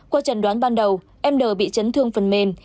qua trần đoán ban đầu em n bị chấn thương phần mềm